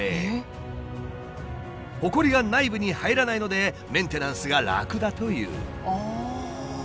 ほこりが内部に入らないのでメンテナンスが楽だという。